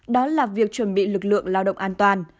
đó là việc chuẩn bị lực lượng lao động an toàn